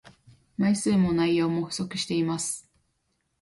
枚数も内容も不足しています